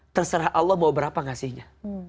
terserah allah mau berapa ngasihnya